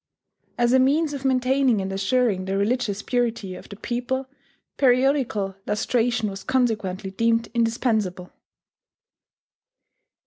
As a means of maintaining and assuring the religious purity of the people periodical lustration was consequently deemed indispensable.